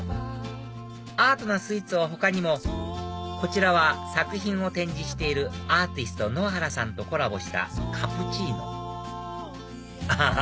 アートなスイーツは他にもこちらは作品を展示しているアーティスト野原さんとコラボしたカプチーノアハハ！